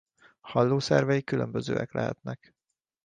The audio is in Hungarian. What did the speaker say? Hallószerveik különbözőek lehetnek.